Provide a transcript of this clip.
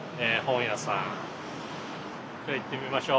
じゃ行ってみましょう。